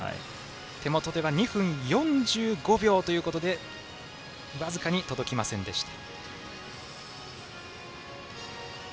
手元では２分４５秒で僅かに届きませんでした。